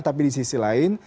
tapi di sisi lain